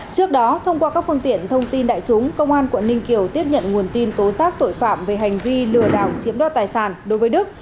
trước đó thông qua các phương tiện thông tin đại chúng công an quận ninh kiều tiếp nhận nguồn tin tố giác tội phạm về hành vi lừa đảo chiếm đoạt tài sản đối với đức